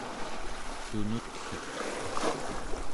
tunutlek